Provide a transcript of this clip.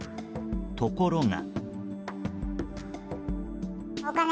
ところが。